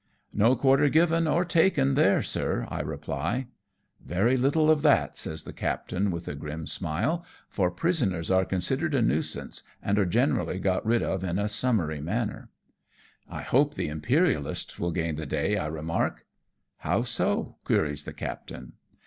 " No quarter given or taken there, sir," I reply. " Very little of that," says the captain, with a grim smile, " for prisoners are considered a nuisance, and are geaerally got rid of in a summary manner." " I hope the Imperialists will gain the day," I remark. " How so ?" queries the captain.